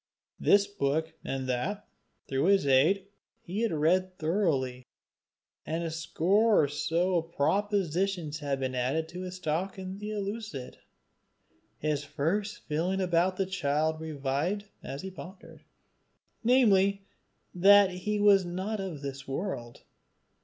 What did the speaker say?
This book and that, through his aid, he had read thoroughly; and a score or so of propositions had been added to his stock in Euclid. His first feeling about the child revived as he pondered namely, that he was not of this world.